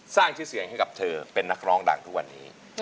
สร้างชื่อเสียงให้กับเธอเป็นนักร้องดังทุกวันนี้